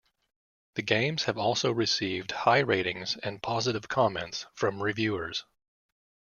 The games have also received high ratings and positive comments from reviewers.